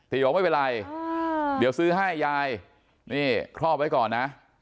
บอกไม่เป็นไรเดี๋ยวซื้อให้ยายนี่ครอบไว้ก่อนนะ